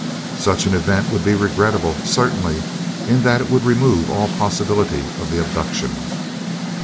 "Such an event would be regrettable, certainly, in that it would remove all possibility of the abduction."